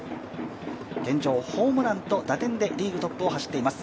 現状、ホームランと打点でリーグトップを走っています。